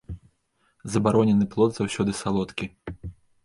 Забаронены плод заўсёды салодкі.